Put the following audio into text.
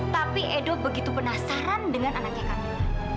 tapi edo begitu penasaran dengan anaknya kamila